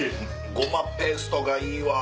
ごまペーストがいいわ！